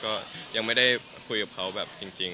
ก็ยังไม่ได้คุยกับเขาแบบจริง